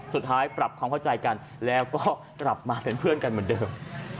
สุดท้ายปรับความเข้าใจกันแล้วก็กลับมาเป็นเพื่อนกันเหมือนเดิม